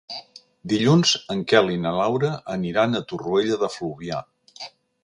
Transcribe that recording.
Dilluns en Quel i na Laura aniran a Torroella de Fluvià.